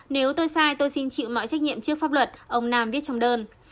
nếu tôi sai tôi xin chịu mọi trách nhiệm trước pháp luật ông nam viết trong đơn